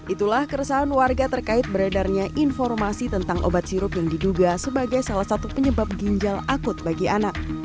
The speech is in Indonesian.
itulah keresahan warga terkait beredarnya informasi tentang obat sirup yang diduga sebagai salah satu penyebab ginjal akut bagi anak